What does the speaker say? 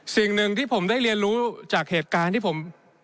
สิ่งหนึ่งที่ผมได้เรียนรู้จากเหตุการณ์ที่ผม